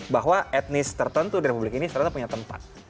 berita terkini dari kpum